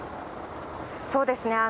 そうですね。